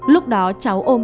lúc đó cháu ôm